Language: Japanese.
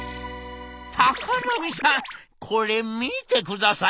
「高波さんこれ見てください！